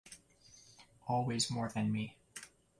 Always more than me.